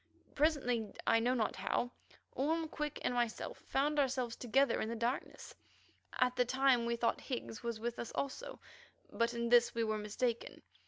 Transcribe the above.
Presently, I know not how, Orme, Quick, and myself found ourselves together in the darkness; at the time we thought Higgs was with us also, but in this we were mistaken.